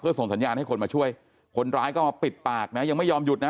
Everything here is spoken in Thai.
ส่งสัญญาณให้คนมาช่วยคนร้ายก็มาปิดปากนะยังไม่ยอมหยุดนะ